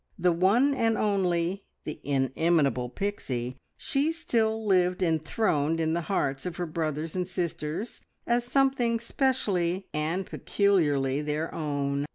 The one and only, the inimitable Pixie, she still lived enthroned in the hearts of her brothers and sisters, as something specially and peculiarly their own.